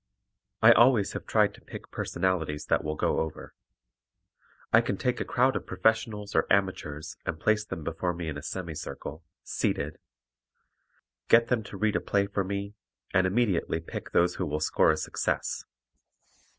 I always have tried to pick personalities that will go over. I can take a crowd of professionals or amateurs and place them before me in a semi circle, seated; get them to read a play for me and immediately pick those who will score a success.